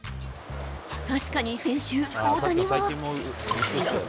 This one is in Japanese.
確かに先週、大谷は。